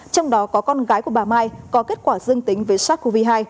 trong đó có con gái của bà mai có kết quả dương tính với sars cov hai